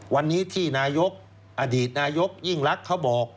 วันนี้ที่นายกอดีตนายกยิ่งรักเขาบอก